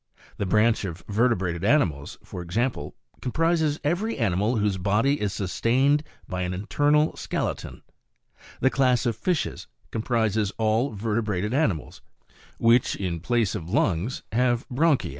The BRANCH of VERTEBRATED ANIMALS, for example, comprises every animal whose body is sustained by an internal skeleton; the CLASS OF FISHES comprises all vertebrated animals which, in place of lungs, have branchiae.